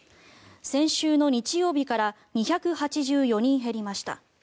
先週の日曜日から２８４人減りました。